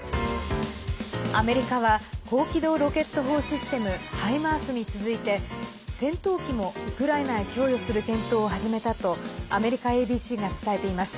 アメリカは高機動ロケット砲システム「ハイマース」に続いて戦闘機もウクライナへ供与する検討を始めたとアメリカＡＢＣが伝えています。